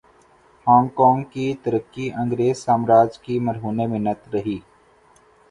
Hong Kong کی ترقی انگریز سامراج کی مرہون منت رہی۔